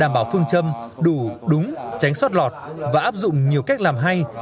băng châm đủ đúng tránh xoát lọt và áp dụng nhiều cách làm hay